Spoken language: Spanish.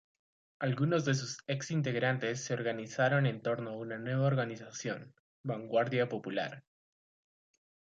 Algunos de sus exintegrantes se organizaron en torno a una nueva organización Vanguardia Popular.